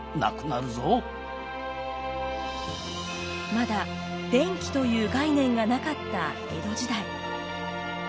まだ電気という概念がなかった江戸時代。